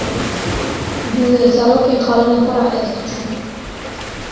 bi zarokên xalanê xwe re ez diçûm